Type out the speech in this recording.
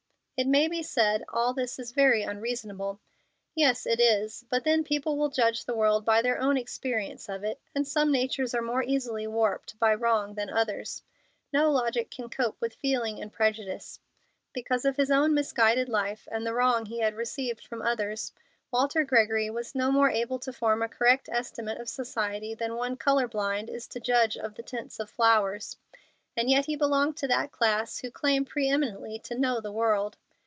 It may be said, all this is very unreasonable. Yes, it is; but then people will judge the world by their own experience of it, and some natures are more easily warped by wrong than others. No logic can cope with feeling and prejudice. Because of his own misguided life and the wrong he had received from others, Walter Gregory was no more able to form a correct estimate of society than one color blind is to judge of the tints of flowers. And yet he belonged to that class who claim pre eminently to know the world.